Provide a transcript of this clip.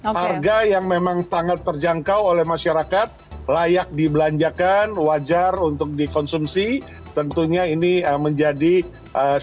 harga yang memang sangat terjangkau oleh masyarakat layak dibelanjakan wajar untuk dikonsumsi tentunya ini menjadi sangat penting